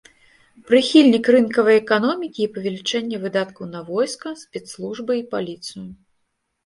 Прыхільнік рынкавай эканомікі і павелічэння выдаткаў на войска, спецслужбы і паліцыю.